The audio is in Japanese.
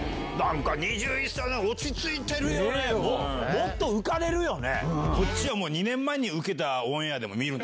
もっと浮かれるよね？